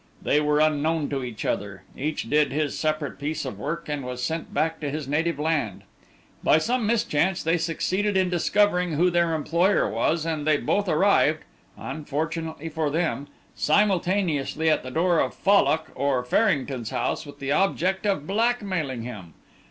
They were unknown to each other; each did his separate piece of work and was sent back to his native land. By some mischance they succeeded in discovering who their employer was, and they both arrived, unfortunately for them, simultaneously at the door of Fallock or Farrington's house with the object of blackmailing him.